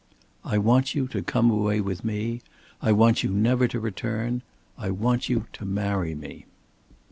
"I want you to come away with me, I want you never to return. I want you to marry me."